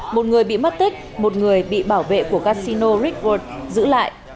một người bị mất tích một người bị bảo vệ của casino rickworld giữ lại